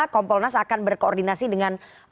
kompolnas akan berkoordinasi dengan